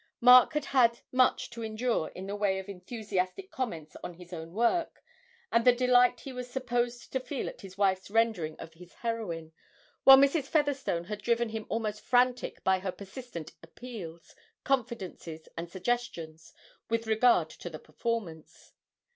Mark had had much to endure in the way of enthusiastic comments on his own work, and the delight he was supposed to feel at his wife's rendering of his heroine, while Mrs. Featherstone had driven him almost frantic by her persistent appeals, confidences, and suggestions with regard to the performance.